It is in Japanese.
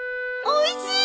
おいしい。